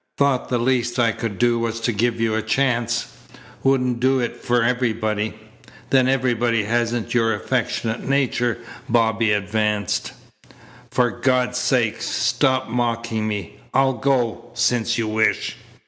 Thought the least I could do was to give you a chance. Wouldn't do it for everybody. Then everybody hasn't your affectionate nature." Bobby advanced. "For God's sake, stop mocking me. I'll go, since you wish."